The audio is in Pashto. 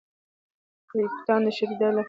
ټریپټان د شدید درد لپاره غوره دي.